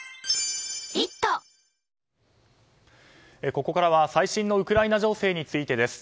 ここからは最新のウクライナ情勢についてです。